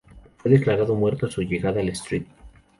Fue declarado muerto a su llegada al St.